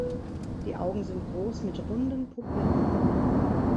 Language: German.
Die Augen sind groß mit runden Pupillen.